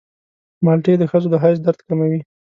مالټې د ښځو د حیض درد کموي.